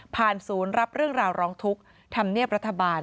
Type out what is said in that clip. ศูนย์รับเรื่องราวร้องทุกข์ธรรมเนียบรัฐบาล